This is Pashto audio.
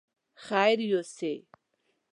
خير يوسې!